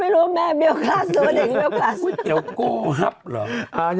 ไม่รู้ว่าแม่เบี้ยวคลาสหรือเด็กเด็กเบี้ยวคลาส